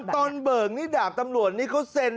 เบิกนี่ดาบตำรวจนี่เขาเซ็น